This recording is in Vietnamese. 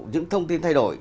những thông tin thay đổi